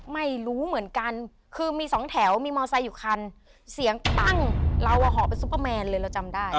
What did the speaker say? ไม่รู้เหมือนกันคือมีสองแถวมีมอไซค์อยู่คันเสียงปั้งเราอ่ะห่อเป็นซุปเปอร์แมนเลยเราจำได้